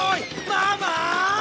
ママ！